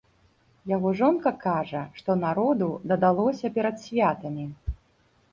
Яго жонка кажа, што народу дадалося перад святамі.